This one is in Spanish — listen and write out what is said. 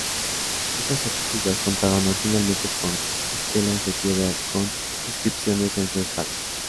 Estas tortugas contaban originalmente con estelas de piedra con inscripciones en su espalda.